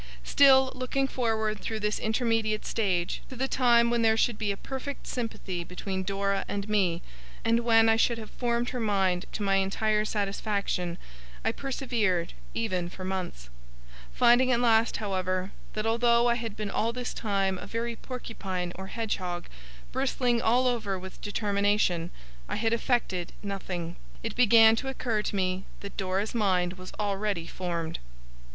Still, looking forward through this intermediate stage, to the time when there should be a perfect sympathy between Dora and me, and when I should have 'formed her mind' to my entire satisfaction, I persevered, even for months. Finding at last, however, that, although I had been all this time a very porcupine or hedgehog, bristling all over with determination, I had effected nothing, it began to occur to me that perhaps Dora's mind was already formed.